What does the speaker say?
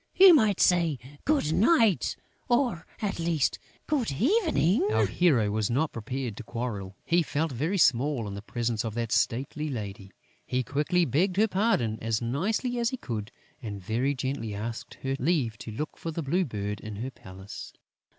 You might say, Good night, or, at least, Good evening!" Our hero was not prepared to quarrel. He felt very small in the presence of that stately lady. He quickly begged her pardon, as nicely as he could; and very gently asked her leave to look for the Blue Bird in her palace.